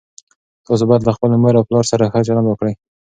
تاسو باید له خپلو مور او پلار سره ښه چلند وکړئ.